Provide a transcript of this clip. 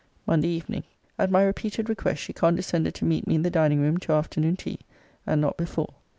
MONDAY EVENING. At my repeated request she condescended to meet me in the dining room to afternoon tea, and not before.